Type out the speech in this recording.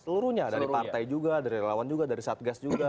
seluruhnya dari partai juga dari relawan juga dari satgas juga di situ juga